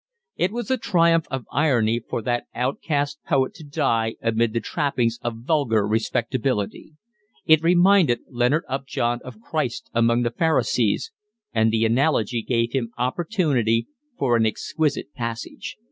It was a triumph of irony for that outcast poet to die amid the trappings of vulgar respectability; it reminded Leonard Upjohn of Christ among the Pharisees, and the analogy gave him opportunity for an exquisite passage.